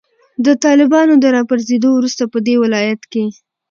د طالبانو د راپرزیدو وروسته پدې ولایت کې